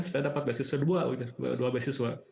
saya dapat beasiswa dua